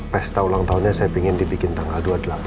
pesta ulang tahunnya saya ingin dibikin tanggal dua puluh delapan